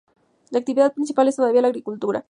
La actividad principal es todavía la agricultura.